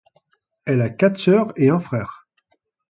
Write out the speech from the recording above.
Elle a quatre sœurs et un frère.